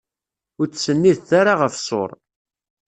Ur ttennidet ara ɣef ṣṣuṛ.